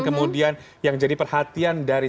kemudian yang jadi perhatian dari